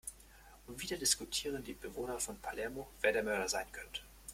Und wieder diskutieren die Bewohner von Palermo, wer der Mörder sein könnte.